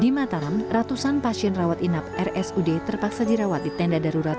di mataram ratusan pasien rawat inap rsud terpaksa dirawat di tenda darurat